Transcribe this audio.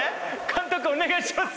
監督お願いします！